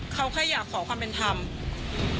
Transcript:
เขาแค่อยากขอความเป็นธรรม